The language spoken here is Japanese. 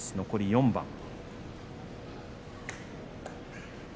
残り４番。